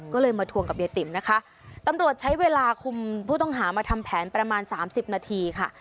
ก็เลยมาทวงกับเยติ๋มนะคะตำรวจใช้เวลาคุมผู้ต้องหามาทำแผนประมาณสามสิบนาทีค่ะ